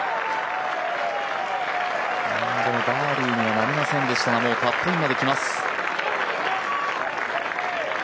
バーディーにはなりませんでしたが、もうタップインまできます。